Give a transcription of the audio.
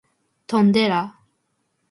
Tondela.